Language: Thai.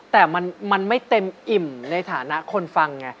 แต่มันไม่เต็มอิ่มในฐานะคนฟังไง